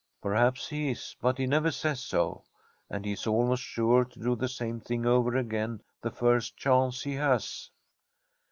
Perhaps he is, but he never says so, and he is almost sure to do the same thing over again the first chance he has.